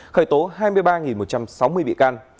khởi tố hai mươi ba một trăm sáu mươi bị can